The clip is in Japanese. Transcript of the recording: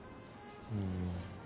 うん。